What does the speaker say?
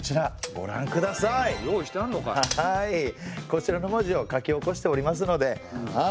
こちらの文字を書き起こしておりますので。